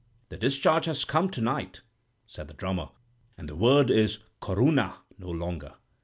"'The discharge has come to night,' said the drummer; and the word is Corunna no longer.'